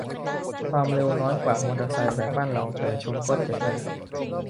ความเร็วน้อยกว่ามอเตอร์ไซค์แบบบ้านเรา แต่ชนก็เจ็บอะนะ